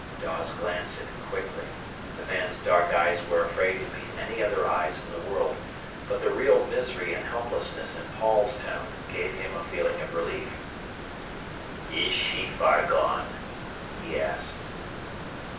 Dawes glanced at him quickly. The man's dark eyes were afraid to meet any other eyes in the world. But the real misery and helplessness in Paul's tone gave him a feeling of relief. "Is she far gone?" he asked.